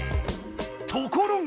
ところが！